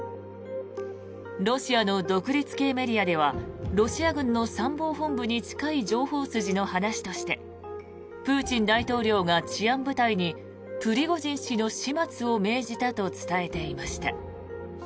ロシアの独立系メディアではロシア軍の参謀本部に近い情報筋の話としてプーチン大統領が治安部隊にプリゴジン氏の始末を命じたと伝えていました。